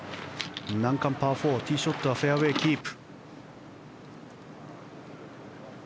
難関パー４ティーショットはフェアウェーキープ。